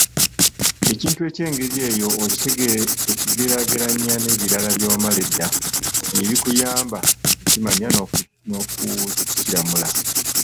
Ekintu eky'engeri eyo okigeraageranya n'ebirala bye wamanya edda, bye bikuyamba okukimanya n'okukiramula.